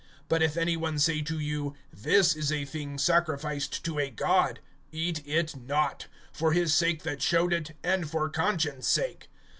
(28)But if any one say to you: This is a thing sacrificed to a god, eat it not, for his sake that showed it, and for conscience' sake.